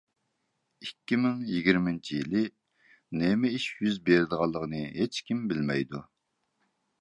ئىككى مىڭ يىگىرمىنچى يىلى نېمە ئىش يۈز بېرىدىغانلىقىنى ھېچكىم بىلمەيدۇ.